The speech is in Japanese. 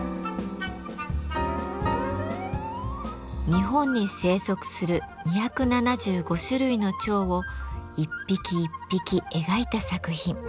日本に生息する２７５種類の蝶を一匹一匹描いた作品。